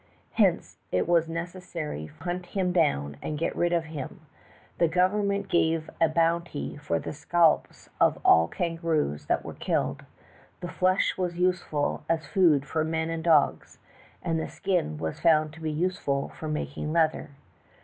Hence it was nec essary to hunt him down and get rid of him ; the government gave a bounty for the scalps of all kangaroos that were killed ; the flesh was useful as food for men and dogs, and the skin was found to be useful for making leather.